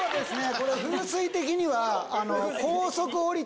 これ風水的には。